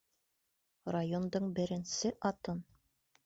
Райондың беренсе атын!..